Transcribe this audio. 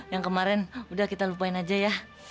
yang kemarin udah kita lupain aja ya